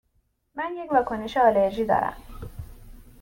من یک واکنش آلرژی دارم.